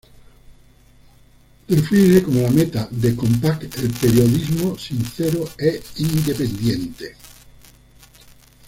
Define como la meta de Compact el periodismo sincero e independiente.